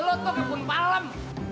lu tuh kebun palem